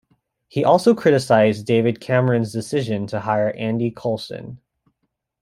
He also criticised David Cameron's decision to hire Andy Coulson.